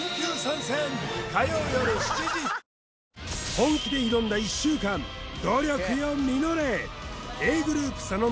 本気で挑んだ１週間努力よ